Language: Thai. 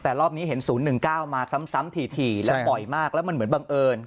แต่รอบนี้เห็นศูนย์หนึ่งเก้ามาซ้ำซ้ำถี่ถี่แล้วปล่อยมากแล้วมันเหมือนบังเอิญ